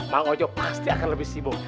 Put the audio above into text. bang ojo pasti akan lebih sibuk